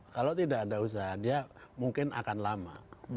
kalau tidak ada usaha dia mungkin akan lama